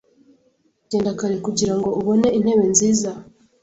Genda kare kugirango ubone intebe nziza.